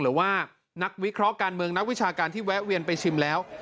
หรือว่านักวิเคราะห์การเมืองนักวิชาการที่แวะเวียนไปชิมแล้ว